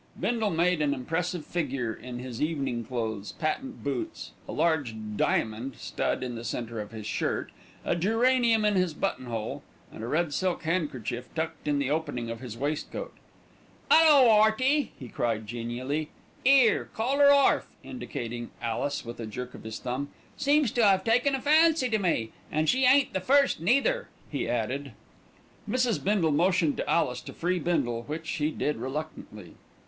Bindle made an impressive figure in his evening clothes, patent boots, a large "diamond" stud in the centre of his shirt, a geranium in his button hole, and a red silk handkerchief tucked in the opening of his waistcoat. "'Ullo, 'Earty!" he cried genially. "'Ere, call 'er orf," indicating Alice with a jerk of his thumb. "Seems to 'ave taken a fancy to me an' she ain't the first neither," he added. Mrs. Bindle motioned to Alice to free Bindle, which she did reluctantly.